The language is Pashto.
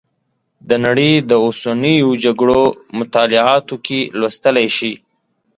د نړۍ د اوسنیو جګړو مطالعاتو کې لوستلی شئ.